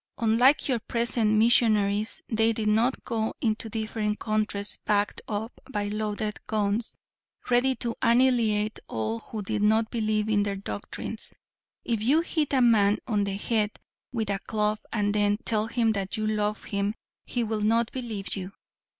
Unlike your present missionaries they did not go into different countries backed up by loaded guns ready to annihilate all who did not believe their doctrines. If you hit a man on the head with a club and then tell him that you love him he will not believe you.